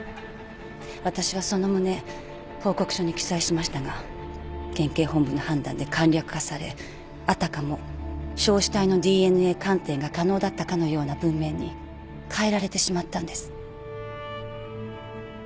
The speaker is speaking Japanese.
私はその旨報告書に記載しましたが県警本部の判断で簡略化されあたかも焼死体のＤＮＡ鑑定が可能だったかのような文面に変えられてしまったんです。